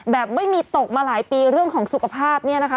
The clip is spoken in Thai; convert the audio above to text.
แบบไม่มีตกมาหลายปีเรื่องของสุขภาพเนี่ยนะคะ